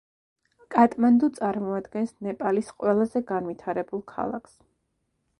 კატმანდუ წარმოადგენს ნეპალის ყველაზე განვითარებულ ქალაქს.